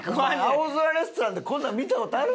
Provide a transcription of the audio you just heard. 『青空レストラン』でこんなん見た事あるんか？